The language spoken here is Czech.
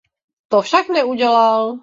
To však neudělal.